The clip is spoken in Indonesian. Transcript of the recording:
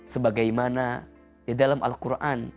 sebagai mana di dalam al quran